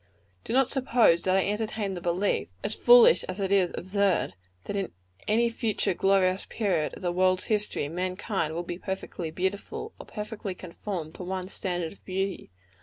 Do not suppose that I entertain the belief, as foolish as it is absorb, that in any future glorious period of the world's history, mankind will be perfectly beautiful, or perfectly conformed to one standard of beauty.